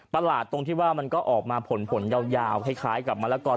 ประหลาดตรงที่ว่ามันก็ออกมาผลยาวคล้ายกับมะละกอ